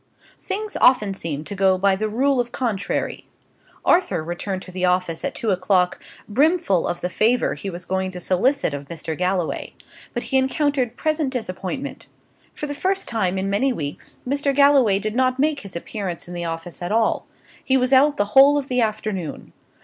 Things often seem to go by the rule of contrary. Arthur returned to the office at two o'clock, brimful of the favour he was going to solicit of Mr. Galloway; but he encountered present disappointment. For the first time for many weeks, Mr. Galloway did not make his appearance in the office at all; he was out the whole of the afternoon.